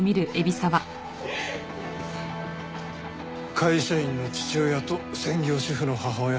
会社員の父親と専業主婦の母親。